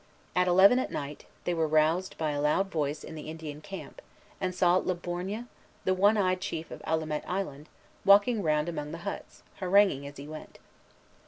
At eleven at night, they were roused by a loud voice in the Indian camp, and saw Le Borgne, the one eyed chief of Allumette Island, walking round among the huts, haranguing as he went.